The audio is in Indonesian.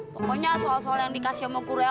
pokoknya soal soal yang dikasih sama guru ela